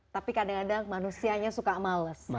tapi kadang kadang manusianya suka males